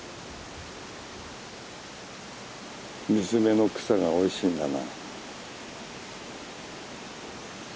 水辺の草がおいしいんだな。